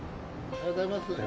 おはようございます。